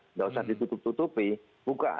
nggak usah ditutup tutupi buka